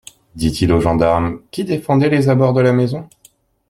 Dit-il au gendarme qui défendait les abords de la maison.